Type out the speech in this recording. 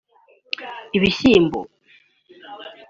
ibishyimbo